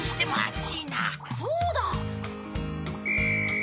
そうだ！